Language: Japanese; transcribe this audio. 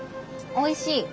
おいしい。